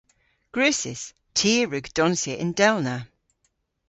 Gwrussys. Ty a wrug donsya yndellna.